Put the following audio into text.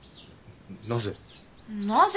なぜ？